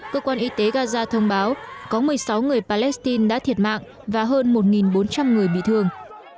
cơ quan y tế gaza thông báo có một mươi sáu người palestine đã thiệt mạng và hơn một bốn trăm linh người bị thương